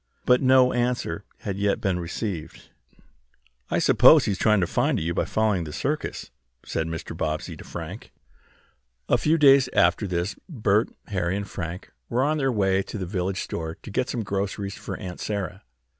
But no answer had yet been received. "I suppose he is trying to find you by following up the circus," said Mr. Bobbsey to Frank. A few days after this Bert, Harry and Frank were on their way to the village store to get some groceries for Aunt Sarah.